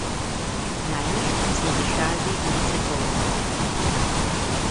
Na jih z ní vychází ulice Kolmá.